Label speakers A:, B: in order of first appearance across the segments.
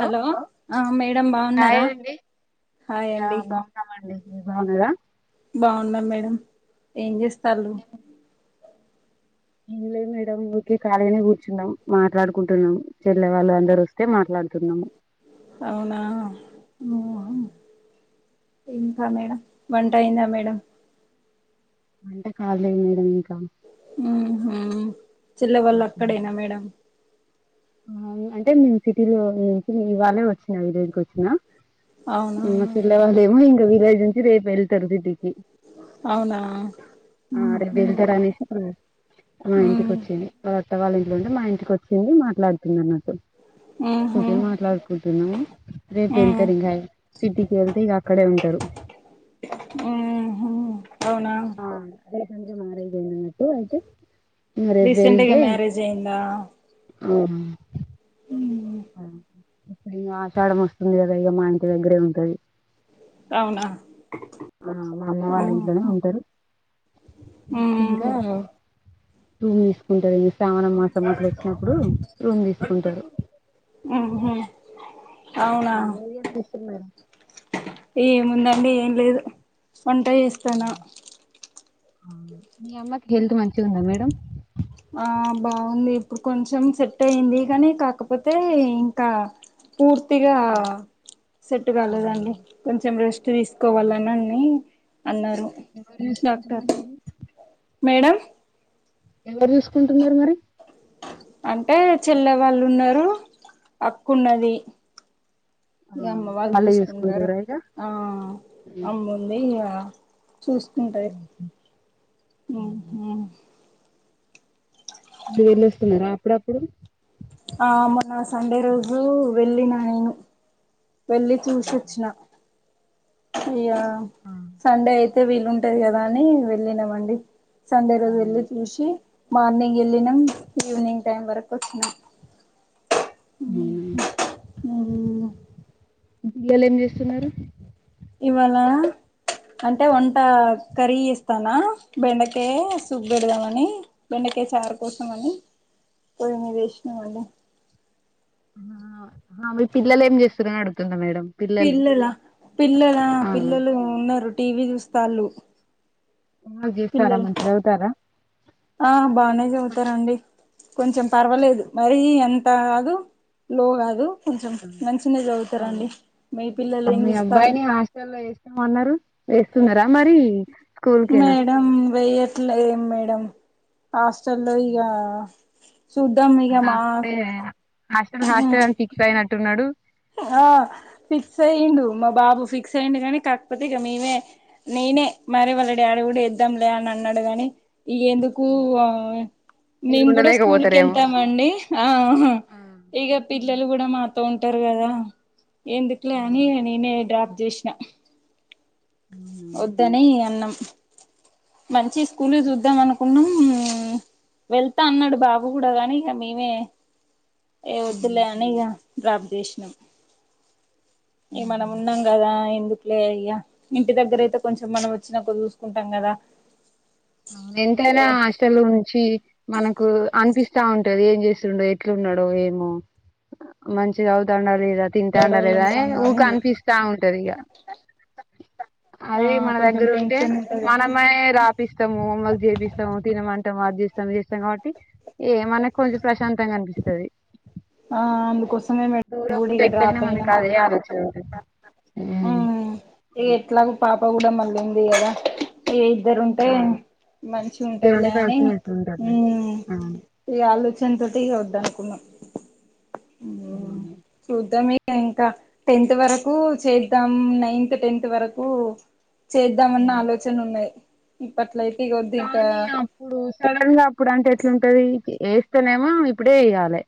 A: Hello madam బాగున్నారా hi అండి.
B: కామండి మీరు బావున్నారా.
A: బాగున్నామ్ మేడం ఏం చేస్తారు
B: ఏం లేదు మేడమ్. ఊరికే ఖాళీగనే కూర్చున్నాం మాట్లాడుకుంటున్నాము చెల్లే వాళ్ళు అందరూ వస్తే మాట్లాడుతున్నామ
A: అవునా ఉహు. ఇంకా మేడం వంట అయిందా మేడం.
B: వంట కాలేదు మేడం ఇంకా.
A: ఉహు చిల్లె వాళ్ళు అక్కడేన మేడం.
B: అంటే మేము సిటీలో నుంచి ఇవాళే వచ్చిన ఈ రోజుకి వచ్చిన.
A: అవునా
B: మా చెల్ల వల్లఏమో ఇంగా విలేజ్ నుంచి రేపు వెళ్తారు సిటీకి.
A: అవునా
B: ఆ ఆడ
A: ఉహు
B: దిగుతరనేసి అప్పుడు మా
A: ఉ
B: ఇంటికి ఓచ్చింది. వాళ్ళ అత్త వాళ్ళ ఇంట్లోంటే మా ఇంటికి వచ్చింది మాట్లాడుతుంది అన్నట్టు
A: ఉహు
B: కూచని మాట్లాడ్. కుంటున్నాం రేపు
A: ఉ
B: వెళ్తారు ఇంగా సిటీకి ఏళ్తే ఇంగ అక్కడే ఉంటారు.
A: ఉహు అవునా.
B: ఆ సజ్జల మ్యారేజే మరి అయితే. ఇంగ
A: రీసెంట్గా మ్యారేజ్ అయిందా.
B: ఆవునా.
A: ఉహు.
B: ఆ ఇగ ఆషాఢం ఓస్తుంది గదా ఇగ మా ఇంటి దగ్గరే ఉంటది.
A: అవునా.
B: ఆ మా అమ్మ వాళ్ళ ఇంట్లోనే
A: ఉహు
B: ఉంటారు ఇంకా. రూమ్ తీసుకుంటది శ్రావణం మాసం అట్ల ఓచ్చినప్పుడు రూమ్ తీసుకుంటారు.
A: ఉహు అవునా.
B: మీరేం చేస్తున్నారు
A: ఏముందండి ఏం లేదు వంట జేస్తన్న.
B: మీ అమ్మకి హెల్త్ మంచి ఉందా మేడం
A: ఆ బాగుంది ఇప్పుడు కొంచెం సెట్ అయింది కానీ కాకపోతే ఇంకా పూర్తిగా సెట్టు కాలేదండి కొంచెం రెస్ట్ తీసుకోవాలనిని అన్నారు
B: ఎవరు
A: డాక్టర్
B: చూసుకుంటున్నారు మరి
A: మేడం
B: ఎవరు చూసుకుంటున్నారు మరి
A: అంటే చెల్లె వాళ్ళున్నారు అక్కన్నది
B: ఆ
A: ఈగ అమ్మ వాళ్ళు
B: వాళ్ళే
A: చూసుకుంటరు
B: చూసుకుంటారా ఇగ
A: ఆ అమ్ము అదే ఇగ చూసుకుంటాది ఉ హు
B: మీ వెళ్ళొస్తున్నరా అప్పుడప్పుడు
A: ఆ మొన్న సండే రోజు వెళ్ళిన నేను వెళ్లి చూసోచ్చిన ఇయ్యా సండే అయితే వీలుుంటాది గాదా అని వెళ్ళినామండి సండే రోజు వెళ్ళి
B: అవును
A: చూసి మార్నింగ్ ఎళ్ళినాం ఈవినింగ్ టైం వరకు వచ్చినాం
B: ఉ
A: మ్మ్
B: పిల్లలు ఏం చేస్తున్నారు
A: ఇవాళ అంటే వంట కర్రీ ఇస్తాన బెండకేయా సూప్ పెడదామని బెండకాయ చారు కోసం అని పోయి మీద వేసినాంమండి
B: ఆ మీ పిల్లలు ఏం చేస్తుారని అడుగుతున్నా మేడం పిల్లలు
A: పిల్లలా పిల్లలా ఆ పిల్లలు ఉన్నరు టీవీ చూస్తళ్ళు
B: హోంవర్క్ జస్తారా మంచిగా చదువుతారా
A: ఆ బాగానే చదువుతారండి కొంచెం పర్వాలేదు మరి ఎంత గాదు లో గాదు కొంచెం మంచినే చదువుతారండి మీ పిల్లలు
B: ఆ
A: ఏం
B: మీ
A: జేస్తళ్ళు
B: అబ్బాయిని హాస్టల్లో ఏస్తమన్నరు ఏస్తున్నారా మరి స్కూల్కేనా
A: మేడం వెయట్లే మేడం హాస్టల్లో ఇగా సూద్దం
B: ఆహా,
A: ఇగమా
B: అప్పుడే హాస్టల్ హాస్టల్ అని ఫిక్స్ అయినట్టున్నడు
A: ఆ ఫిక్స్ అయ్యండు మా బాబు ఫిక్స్ అయ్యండు కానీ కాకపోతే ఇక మేమే నేనే మరి వాళ్ళడాడీ గూడ ఏద్దాంలే అని అన్నాడు గాని ఇగ ఎందుకు స్కూలా
B: మీరు
A: మేము కూడ
B: ఉండలేకపోతారేమో
A: స్కూల్కెళ్తామండి ఆ హా
B: ఆ
A: ఇక
B: ఉహు
A: పిల్లలు గూడా మాతో ఉంటారు కదా ఎందుకులే
B: ఆ
A: అని ఇగ నేనే డ్రాప్ జేసినా
B: అవునా
A: ఓద్దనే అన్నం మంచి స్కూల్ చూద్దాం అనుకున్నాం వెళ్తా అన్నడు బాబు గుడా గాని ఇగ నేనే ఏ వద్దులే అని ఇక డ్రాప్ చేసినాం ఇక
B: ఉమ్.
A: మనం ఉన్నాం కదా ఎందుకులే ఇగ ఇంటి దగ్గర అయితే కొంచెం మనం ఓచ్చినప్పుడు చూసుకుంటాం కదా
B: ఎంత్లానా హాష్ స్ట్ల్ నుంచి మనకు అనిపిస్తా ఉంటాది ఏం జేసుడో ఎట్లు ఉండడో ఏమో మంచిగా చదువుతండా లేదా
A: ఏడో
B: తింటాండా లేదా ఏ
A: ఏంకానో అని
B: ఊకె అనిపిస్తా ఉంటాది ఇగా
A: ఆ
B: అదే మన
A: కొంచెం
B: దగ్గరుంటే
A: టెన్షన్ ఉంటదని
B: మనమే రా ఇస్తము హోమ్ వర్క్ చేపిస్తాము తినమంటాము అది చేస్తాము చేస్తాం కాబట్టి ఏమన్న కొంచెం ప్రశాంతంగా అనిపిస్తది
A: ఆ అందుకోసమే మేడం
B: దూరం
A: కూడా
B: ఉంటే
A: ఇగ
B: ఎట్లైనా
A: డ్రాప్
B: మనకి
A: అయినాం
B: అదే ఆలోచన ఉంట హ్మ్
A: ఉమ్ ఇగ ఎట్లాగో పాప కూడా మళ్ళ ఉంది కదా ఏ ఇద్దరు ఉంటే
B: ఆ
A: మంచిగ ఉంటదిలే
B: ఇద్దరుంటే
A: అని
B: కలిసిమెలిసి ఉంటారులే అవును
A: ఈ ఆలోచనతోటి ఇగ వద్ అనుకున్నం
B: అవు
A: చూద్దాం ఇగ ఇంక టెన్త్ వరకు చేద్దాం నైన్త్ టెన్త్ వరకు చేద్దామన్న ఆలోచన ఉన్నాయి ఇప్పట్లయితే ఇగోద్ది ఇంకా
B: ఇప్పుడు సడన్ గా అప్పుడు అంటే ఎట్లుంటది ఏస్తేనేమో ఇప్పుడే ఏయ్యాలి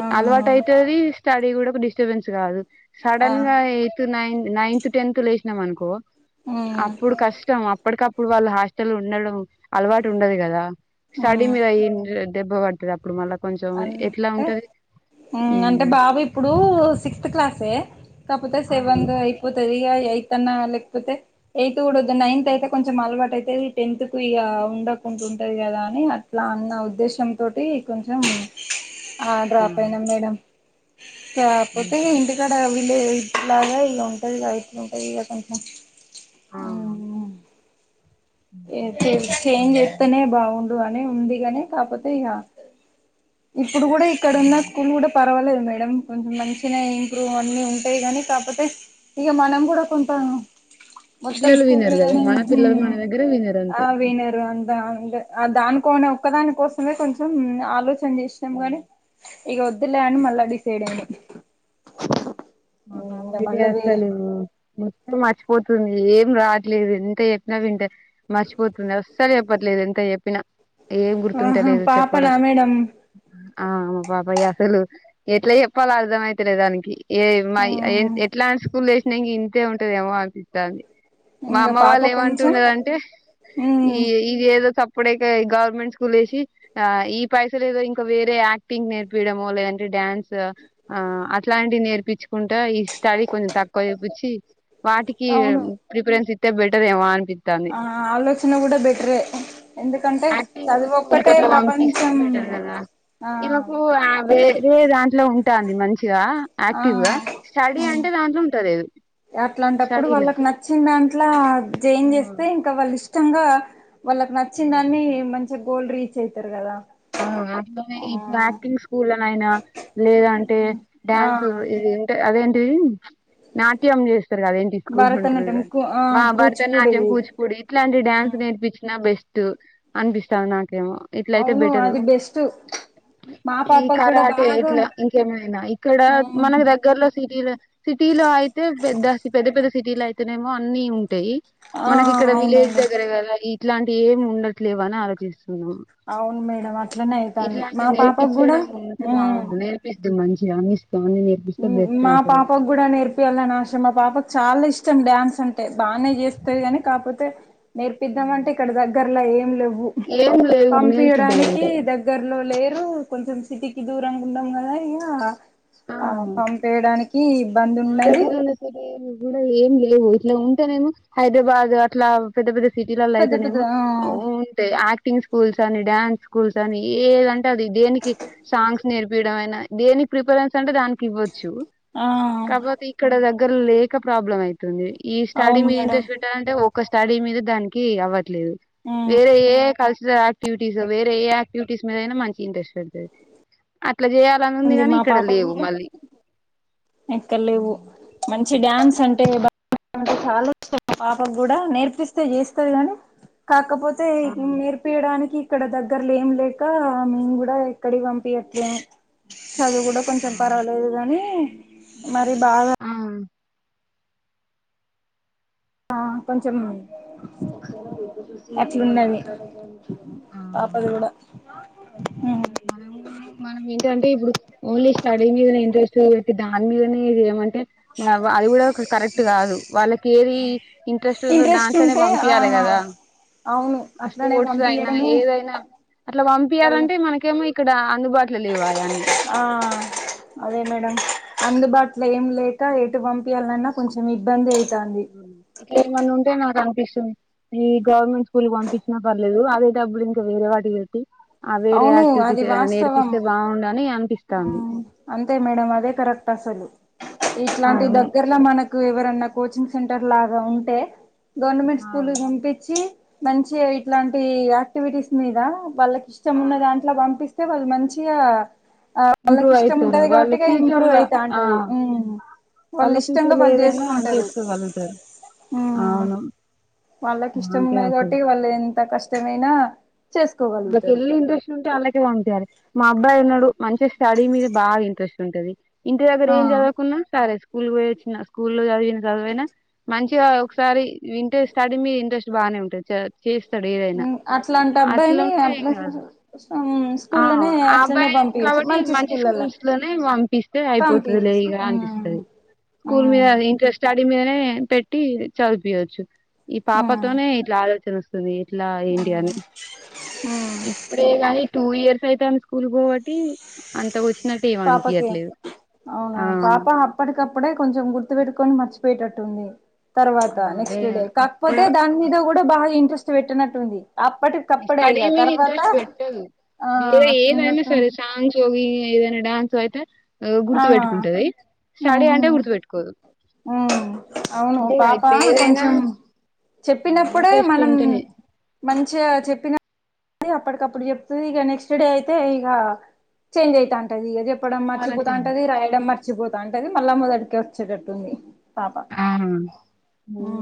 A: ఆ
B: అలవాటు అయితది స్టడీ కూడా ఒక డిస్టర్బెన్స్ కాదు
A: ఆ
B: సడన్ గా అయి తు నై నైన్త్ టెన్త్ లో వేసినమనుకో
A: ఉమ్
B: అప్ ఇప్పుడు కష్టం అప్పటికప్పుడు వాళ్ళు హాస్టల్ ఉండడు అలవాటు ఉండదు కదా స్టడీ
A: ఉమ్
B: మీదయిన్ దెబ్బ పడతది అప్పుడు మళ్ళా కొంచెం ఎట్లా
A: అంటే
B: ఉంటది
A: హ్మ్ అంటే
B: ఉమ్,
A: బాబు ఇప్పుడు సిక్స్ సిస్త్ క్లాసే కాకపోతే
B: అవును.
A: సెవెద్ అయిపోతది ఇగ ఎయిత్ అన్న లేకపోతే ఎయిత్ కూడవద్దు నైన్త్ అయితే కొంచెం అలవాటు అయితది టెన్త్ కు ఇగ ఉండకుంటది కదా అని అట్లా అన్న ఉద్దేశ్యం తోటి కొం ఆ డ్రాప్ అయినాం మేడం కాపోతే ఇంటి ఇక్కడ వీళ్ళ ఇట్లగా ఇలా ఉంటది ఇట్లు ఉంటది ఇగ కొంచెం
B: ఆ
A: మ్మ్ చేంజ్ చేస్తేనే బాగుండు అని ఉందిగాని కాపోతే ఇగ ఇప్పుడు కూడ ఇక్కడ ఉన్న స్కూల్ కూడా పర్వాలేదు మేడం కొంచెం మంచిగనే ఇంప్రూవ్ అన్ని ఉంటాయి గానీ కాపోతే ఇగ మనం కూడా కొంటాం మొత్తం
B: పిల్లలు
A: స్కూల్
B: వినరు కదా
A: మీదనే హ్మ్
B: మన
A: హు
B: పిల్లలు మన దగ్గర వినరు అంతే
A: ఆ పోయినారు అం ద ఆ దానికోనే ఒక్కదాని కోసమే కొంచెం ఆలోచన చేసినాం గానీ ఇగ వద్దులే అని మళ్ళా డిసైడ్ అయినాం
B: ఆహా
A: ఇంకా మళ్ళా
B: [unintelligible]
A: వేరే
B: వస్తలేవు మొత్తం మర్చిపోతుంది ఏం రాట్లేదు ఎంత చెప్పినా వింటే మర్చిపోతుంది అస్సలు చెప్పట్లేదు ఎంత చెప్పినా ఏం గుర్తుంటా
A: ఆహా
B: లేదు చెప్పడం
A: పాపనా మేడం
B: ఆ బాబయ్య అసలు ఎట్లా చెప్పాల అర్థంమయితలేదానికి మై ఎట్లాంటి స్కూల్ వేసినా ఇంగ ఇంతే ఉంటదేమో అనిపిస్తాంది మా
A: ఇంకా
B: అమ్మ
A: పాప
B: వాళ్ళు
A: కొంచెం
B: ఏమంటున్నరంటే ఈ ఈ ఏదో సప్పుడికే గవర్నమెంట్ స్కూల్ ఏసి ఆ ఈ పైసలు ఏదో ఇంకా వేరే యాక్టింగ్ నేర్పియడమో లేదంటే డ్యాన్స్ ఆ అట్లాంటివి నేర్పిచ్ కుంటా ఈ స్టడీ కొంచెం తక్కువ చూపించి వాటికి
A: అవును
B: ప్రిఫరన్స్ ఇస్తే బెటర్ ఏమో అనిపి
A: ఆ ఆలోచన కూడా బెటరే ఎందుకంటే చదువు ఒక్కటే ప్రపం
B: ఇస్తే బెటర్ కదా ఈ మకు ఆ వేర్ వేర్ ఆ ఇట్లో ఉంటాంది మంచిగా
A: ఆ
B: యాక్టివ్ గా స్టడీ అంటే దాంట్లో ఉంటలేదు
A: అట్లాంటప్పుడు
B: స్టడీలే
A: వాళ్ళకి నచ్చిన దాంట్లా జైన్ చేస్తే ఇంకా వాళ్ళ ఇష్టంగా వాళ్ళకి నచ్చిన దాన్ని మం గోల్ రీచ్ అయితారు కదా
B: అ
A: ఆ
B: ఇప్పుడు యాక్టింగ్ స్కూల్న నైనా లేదంటే
A: ఆ
B: డ్యాన్స్ ఇ అదేంటి నాట్యం చేస్తారు గా అదేంట్ తీసుకు ఉంట్రు
A: భరతనాట్యం
B: క
A: కు ఆ
B: మా భరత
A: కూచిపూడి
B: నాట్యం కూచిపూడి ఇట్లాంటి డ్యాన్స్
A: ఉమ్
B: నేర్పించినా బెస్ టు అనిపిస్తాది నాకేమో ఇట్లయితే
A: అవును
B: బెటరు
A: అది బెస్టు
B: ఈ కరాటే ఇట్లా ఇంకేమైనా ఇక్కడ
A: ఆ
B: మనకి దగ్గర్లో సిటీలో సిటీలో అయితే పెద్ద పెద్ద పెద్ద సిటీలో అయితేనేమో అన్నీ ఉంటాయి
A: ఆ
B: మనకి ఇక్కడ విలేజ్
A: అవునండి
B: దగ్గర కదా ఇట్లాంటి ఏమి ఉండట్లేవు అని ఆలోచిస్తున్నాం
A: అవున్ మే
B: ఇట్లాంటి నేర్పించడం ఉంటే
A: ఉమ్
B: బాగుండు నేర్పిస్తే మంచిగా అని ఇస్తా అని నేర్ప్ ఇస్తే బెస్టే
A: మా
B: అప్పుడు
A: పాపకు కూడా నేర్పియాలని ఆశ మా పాపకు చాలా ఇష్టం డ్యాన్స్ అంటే బాగానే చేస్తది కాని కాకపోతే నేర్పిద్దామ అంటే ఇక్కడ దగ్గర్లా ఏం లేవు
B: ఏం లేదు
A: పంపియడానికి
B: నేర్పిద్దామంటే
A: దగ్ గ్గర్లో లేరు కొంచెం సిటీకి దూరంగా ఉన్నాం కదా ఇంగ ఆ పంపేయడానికి ఇబ్బంది
B: మా
A: ఉన్నది
B: దగ్గర ఉన్న కూడా ఏం లేవు ఇట్లా ఉంటే నేను హైదరాబాద్ అట్లా పెద్ద పెద్ద సిటీల
A: పెద్ద
B: అయితే
A: పెద్ద
B: నేమో
A: ఆ
B: ఉంటే ఆక్టింగ్స్ స్కూల్స్ అని డ్యాన్స్ స్కూల్స్ అని ఏదంటే అది దేనికి సాంగ్స్ నేర్పియడంమైనా దేనికి ప్రిపరెన్స్ అంటే దానికి ఇవ్వచ్చు
A: ఆ
B: కాపోతే ఇక్కడ దగ్గర లేక ప్రాబ్లం అయితుంది ఈ స్టడీ
A: అవును
B: మీద
A: మేడం
B: ఇంట్రెస్ట్ పెట్టాలంటే ఒక స్టడీ మీద దానికి అవ్వద్ ట్లేదు
A: ఉమ్
B: వేరే ఏ కల్చరల్ ఆక్ క్టీస్ వేరే ఏ యాక్టివిటీస్ మీద అయినా మంచి ఇంట్రెస్ట్ వస్తది అట్లా చేయాలని ఉంది గానీ
A: మా
B: ఇక్కడ
A: పాప
B: లేవు
A: కూడా
B: మళ్ళీ
A: ఎక్కడ లేవు మంచి డ్యాన్స్ అంటే బా అంటే చాలా ఇష్టం పాపకు కూడా నేర్పిస్తే చేస్తది కాని కాకపోతే
B: ఆ
A: నేర్ప్ పంపీయడానికి ఇక్కడ దగ్గరలే ఏం లేక మేము కూడా ఎక్కడ పంపీయట్లేము చదువు కూడా కొంచెం పర్వాలేదు గాని మరి బాగా
B: ఆ
A: ఆ కొంచెం అట్లున్నది
B: ఆ
A: పాపది కూడా
B: మనం మనం ఏంటంటే ఇప్పుడు ఓన్లీ స్టడీ మీద ఇంట్రెస్ట్ పెట్టి దాని మీదనే ఇది ఏమంటే అది కూడా కరెక్ట్ కాదు వాళ్ళకి ఏది ఇంట్రెస్ట్ ఉందో దాని ట్లేనే
A: ఉంటే ఆ
B: పంపియాలి కదా?
A: అవును అట్లనే
B: స్పోర్ట్స్ అయినా
A: పంపియడమే
B: ఏదైనా అట్లా
A: వాళ్ళ
B: పంపియాలంటే మనకేమో ఇక్కడ అందుబాట్లో లేవాయన్నీ
A: ఆ అదే మేడం అందుబాట్లో ఏం లేక ఎటు పంప్ పియాల్నన్న కొంచెం ఇబ్బంది అయితాంది
B: ఇట్లా ఏమన్నా ఉంటే నాకు అనిపిస్తుంది ఈ గవర్నమెంట్ స్కూల్ పంపించినా పర్లేదు అదే డబ్బులు ఇంకా వేరే వాటికి పెట్టి ఆ వేరే
A: అవును
B: యాక్టివిటీస్ ఏవైనా నేర్పిస్తే బాగుండ అని అనిపిస్
A: ఆ అంతే మేడం అదే కరెక్ట్ అసలు ఇట్లాంటి
B: అవును.
A: దగ్గర ఇలా మనకు ఎవరన్నా కోచింగ్ సెంటర్ లాగా ఉంటే గవర్నమెంట్
B: ఆ
A: స్కూల్ కి పంపిచ్చి మంచి ఇట్లాంటి యాక్టివిటీస్ మీద వాళ్ళకి ఇష్టంమున్న దాంట్లో పంపిస్ పోదల్ మంచిగా ఆ వాళ్ళకి
B: ఇంప్రూవ్
A: ఇష్టం
B: అయితారు
A: ఉంటది
B: వాళ్ళ
A: కాబట్టి ఇంప్రూవ్
B: ఫ్యూచర్ల ఆ
A: అయితంటది వాళ్ళు
B: వాళ్ళ
A: ఇష్టంగా
B: ఫ్యూచర్ లో
A: వాళ్ళు
B: ఏదైనా
A: చేసుకుంటారు.
B: చేసుకోగలుగుతారు అవును
A: వాళ్ళకి ఇష్టం
B: నాకే
A: ఉన్నది
B: అసలు
A: కాబట్టే వాళ్ళు ఎంత కష్టమైనా
B: అడి
A: చేసుకోగలుగుతారు
B: పెళ్లేంటి వుంటే వాళ్ళకే ఉంటారు మా అబ్బాయి ఉన్నాడు మంచి స్టడీ మీద బాగా ఇంట్రెస్ట్ ఉంటది. ఇంటి దగ్గర
A: ఆ
B: ఏం చదువుకున్నా సరే స్కూల్ పోయోచ్చిన స్కూల్లో చదివిన చదువైనా మంచిగా ఒకసారి వింటే స్టడి మీద ఇంట్రెస్ట్ బాగానే ఉంటది చేస్తాడు ఏదైనా
A: అట్లాంటి
B: అట్లా
A: అబ్బాయిని
B: ఉంటే
A: అబ్
B: ఏం కాదు ఆ అబ్బాయి కాబట్టి మంచి
A: స్కూల్లా
B: స్కూల్స్ లోనే పంపిస్తే అయిపోత
A: పంపియచ్చు
B: అంతేలేగా
A: ఉమ్
B: అనిపిస్తాది స్కూల్
A: ఉమ్
B: మీద ఇంట్రెస్ట్ స్టడి మీదనే పెట్టి చదిపియోచ్చు ఈ
A: ఉమ్
B: పాపతోనే ఇట్లా ఆలోచన వస్తుంది. ఎట్ల ఏం
A: ఉమ్
B: చేయాలి
A: ఉమ్
B: ఇప్పుడే గానీ టూ ఇయర్స్ అయితాంది స్కూల్ పోబట్టి అంత వచ్చినట్టు ఏమి
A: పాపకి
B: అనిపించట్లేదు
A: అవునా
B: ఆ
A: పాప అప్పటికప్పుడే కొంచెం గుర్తు పెట్టుకొని మర్చిపోయేటట్టుంది. తర్వాత
B: అరే
A: నెక్స్ట్ డే కాకపోతే
B: అప్పుడు
A: దాని మీద కూడా బాగా ఇంట్రెస్ట్ పెట్టినట్టు ఉంది అప్పటి
B: స్టడీ మీద ఇంట్రెస్ట్ పెట్టదు
A: ఆ
B: వేరే ఏదైనా
A: అట్లున్నట్టు
B: సరె డాన్స్ ఏదైనా డాన్స్ అయితే
A: ఆ
B: గుర్తు పెట్టుకుంటది. స్టడీ
A: ఉహు
B: అంటే గుర్తుపెట్టుకోదు
A: ఉ అవును పాప
B: ఇప్పుడు ఏదైనా
A: కొంచెం చెప్పినప్పుడే
B: ఇంట్రెస్ట్
A: మనం
B: ఉంటేనే
A: మంచిగ చెప్పిన అప్పటికప్పుడు చెప్తుది ఇక నెక్స్ట్ డే అయితే ఇక చేంజ్ అయితా ఉంటది ఇక చెప్ చెప్పడం
B: మళ్ళ
A: మర్చిపోతాంటది రాయడం మర్చిపోతాంటది మళ్ళా మొదటికె వచ్చేటట్టుంది. పాప
B: ఆ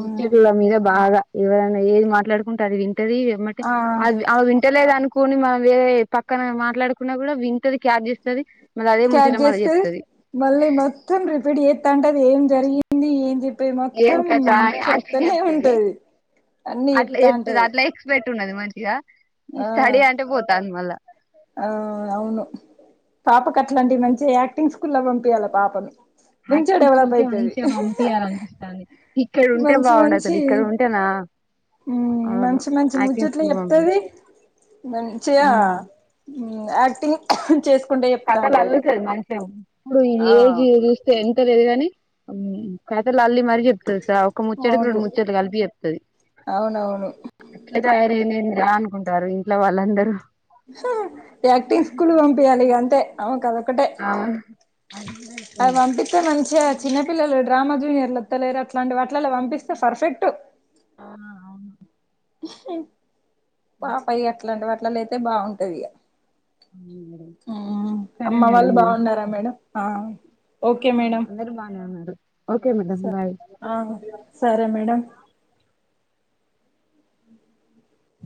B: ముచ్చేతుళ మీద బాగా ఎవరైనా ఏది మాట్లాడుకుంటే అది వింటది ఏమ్మటే
A: ఆ
B: అ అ వింటలేదనుకో పోని మనం వేరే పక్కన మాట్లాడుకున్నా కూడా వింటది క్యాచ్ చేస్తది మరి అదే ముచ్చట
A: క్యాచ్
B: మళ్ళా
A: చేస్తది
B: చెప్తది.
A: మళ్ళీ మొత్తం రిపీట్ చేత్తంటది ఏం జరిగింది ఏం చె ప్తే
B: ఏం
A: మొత్తం
B: కథ అని అట్లా
A: చెప్తూనే
B: చెప్తది
A: ఉంటది అన్ని చెప్తాంటది.
B: పెట్టున్నది మంచిగా ఈ స్టడీ అంటే పోతాంది మళ్ళా
A: ఆ అవును పాపకు అట్లాంటి మంచిగా యాక్టింగ్ స్కూల్ల కి పంపియాలి పాపని
B: యాక్టింగ్ స్కూల్కే మంచిగా పంపియాలనిపిస్తాంది. ఇక్కడ ఉంటే బాగుండసలు ఇక్కడ ఉంటేనా
A: ఉ
B: అవును
A: మంచి మంచి
B: యాక్టింగ్
A: ముచ్చుట్లు
B: స్కూల్
A: చెప్తది మంచిగ
B: పంపి
A: యాక్టింగ్ చేసు
B: కథలు అల్లుతది మంచిగా ఇప్పుడు
A: ఆ
B: ఏజ్ ఎది ఎంత లేదు కని ఖాతలు అల్లి మరి చే తెల్సా ఒక ముచ్చడికి
A: అవును
B: రెండు ముచ్చట్లు కలిపి చెప్తది
A: అవునవును
B: ఇట్ల తయారైయెంఏందిరా అనుకుంటారు ఇంట్లో వాళ్ళందరూ
A: హ యాక్టింగ్ స్కూల్ పంపియలి ఇక అంతే ఆమెకదోక్కటే
B: అవును అదేంగా
A: [unintelligible] స్తే మంచిగా చిన్నపిల్లలు డ్రామా జూనియర్లు వత్తాలేర అట్లాంటి వాట్లలా పంపిస్తే పర్ఫెక్ట్.
B: అవున అవును
A: పాప ఇగ అట్లాంటి వాట్లయితే బాగుంటది ఇగ ఆ
B: సరే
A: అమ్మ
B: మేడం
A: వాళ్ళు బాగున్నారా మేడం ఆ ఓకే మేడం
B: అందరు బానే ఉన్నారు ఓకే మేడమ్ బాయ్
A: ఆ సరే మేడమ్